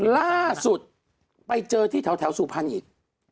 ล่าสุดไปเจอที่แถวสุพรรณอีก